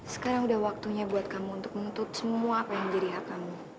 sekarang udah waktunya buat kamu untuk menuntut semua apa yang menjadi hak kamu